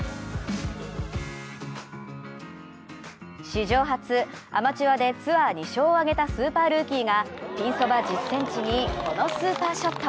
史上初、アマチュアでツアー２勝を挙げたスーパールーキーがピンそば１０ｃｍに、このスーパーショット。